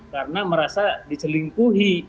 karena merasa dicelingkuhi